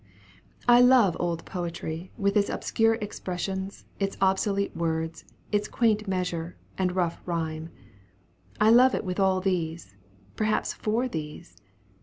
I love old poetry, with its obscure expressions, its obsolete words, its quaint measure, and rough rhyme. I love it with all these, perhaps for these.